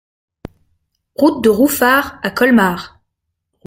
Route de Rouffach à Colmar